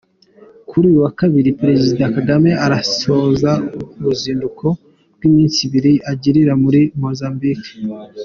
Kuri uyu wa kabiri Perezida Kagame arasoza uruzinduko rw’iminsi ibiri agirira muri Mozambique.